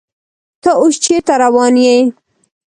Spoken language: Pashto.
ته اوس چیرته روان یې؟